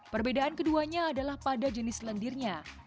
perbedaan keduanya adalah pada jenis lendirnya